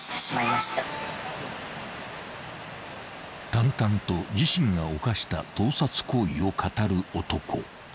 ［淡々と自身が犯した盗撮行為を語る男］